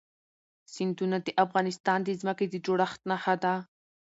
سیندونه د افغانستان د ځمکې د جوړښت نښه ده.